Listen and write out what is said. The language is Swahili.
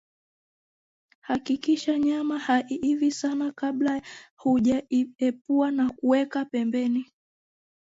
Hakikisha nyama haiivi sana kabla hujaiepua na kuweka pembeni